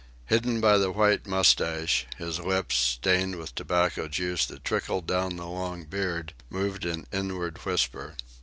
Hidden by the white moustache, his lips, stained with tobacco juice that trickled down the long beard, moved in inward whisper.